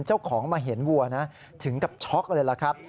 เจ้าของมาเห็นวัวนะถึงกับช็อกเลยล่ะครับ